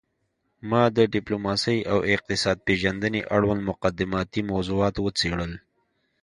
ما د ډیپلوماسي او اقتصاد پیژندنې اړوند مقدماتي موضوعات وڅیړل